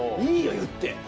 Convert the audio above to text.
いいよ言って。